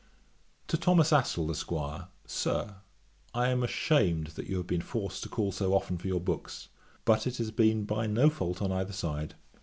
'To THOMAS ASTLE, Esq. 'SIR, 'I am ashamed that you have been forced to call so often for your books, but it has been by no fault on either side.